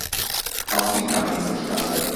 Auch sie kam nicht zustande.